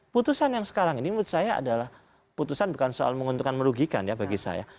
putusan yang sekarang ini menurut saya adalah putusan bukan soal menguntungkan merugikan ya bagi saya